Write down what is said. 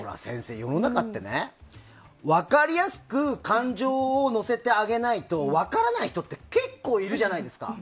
世の中ってね分かりやすく感情を乗せてあげないと分からない人って結構いるじゃないですか。